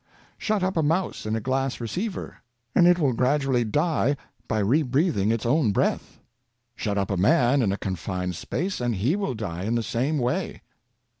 Shut up a mouse in a glass receiver, and it will grad ually die by re breathing its own breath. Shut up a man in a confined space, and he will die in the same way.